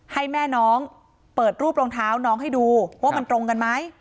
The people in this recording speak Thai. ให้แม่น้องเปิดรูปรองเท้าน้องให้ดูว่ามันตรงกันไหม